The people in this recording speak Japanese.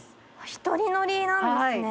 一人乗りなんですね。